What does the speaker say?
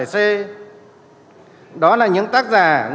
người dẫn chương trình truyền hình